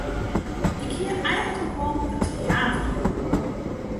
Ik hie eigentlik wol it teäter yn wollen.